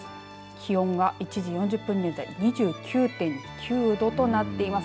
気温が１時４０分現在２９．９度となっています。